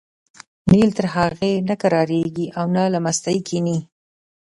نیل تر هغې نه کرارېږي او نه له مستۍ کېني.